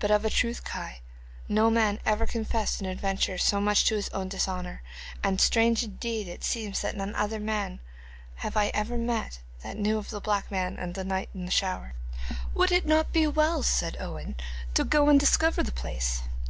'But of a truth, Kai, no man ever confessed an adventure so much to his own dishonour, and strange indeed it seems that none other man have I ever met that knew of the black man, and the knight and the shower.' 'Would it not be well,' said Owen, 'to go and discover the place?